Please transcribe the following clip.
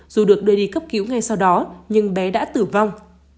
dù được đưa đi cấp cứu ngay sau đó nhưng bé đã tử vong